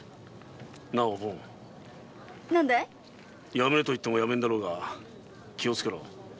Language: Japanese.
やめろと言ってもやめんだろうが気をつけろ。